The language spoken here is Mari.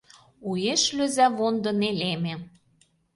Уэш лӧза вондо нелеме.